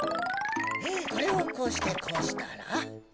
これをこうしてこうしたら。